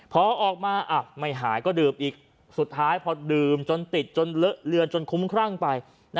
พอออกมาไม่หายก็ดื่มอีกสุดท้ายพอดื่มจนติดจนเลอะเลือนจนคุ้มครั่งไป